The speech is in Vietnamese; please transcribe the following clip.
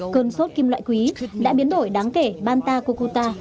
cơn sốt kim loại quý đã biến đổi đáng kể banta cota